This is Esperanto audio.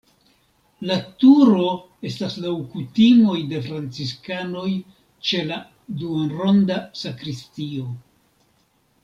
La turo estas laŭ kutimoj de franciskanoj ĉe la duonronda sakristio.